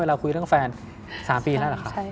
เราคุยเรื่องแฟน๓ปีแล้วเหรอคะ